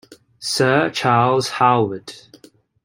Sir Charles Howard.